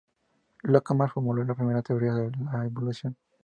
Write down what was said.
Lamarck formuló la primera teoría de la evolución.